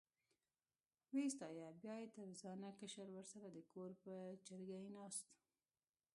وې ستایه، بیا یې تر ځانه کشر ورسره د کور په چرګۍ ناست.